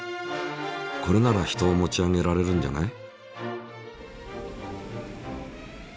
これなら人を持ち上げられるんじゃない？